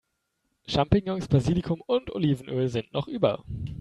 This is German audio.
Champignons, Basilikum und Olivenöl sind noch über.